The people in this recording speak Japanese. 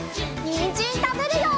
にんじんたべるよ！